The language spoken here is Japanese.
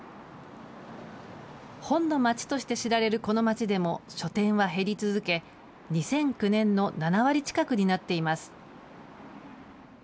本の街として知られるこの街でも、書店は減り続け、２００９年の７割近くになっています。